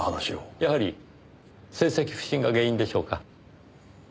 やはり成績不振が原因でしょうか？